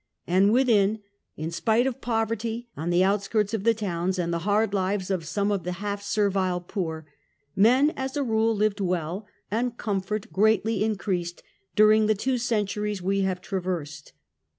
And within, in spite of poverty on the outskirts of the towns and the hard lives of some of the half servile poor, men as a rule lived well, and comfort greatly increased during the two centuries we have traversed.